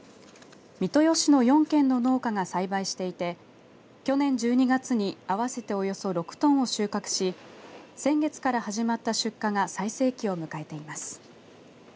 三豊市の４軒の農家が栽培していて去年１２月に合わせておよそ６トンを収穫し先月から始まった出荷が最盛期を迎えています。